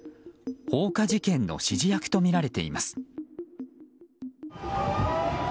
放火事件の指示役とみられています。